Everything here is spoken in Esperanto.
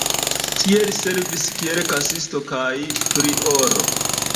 Tie li servis kiel kasisto kaj prioro.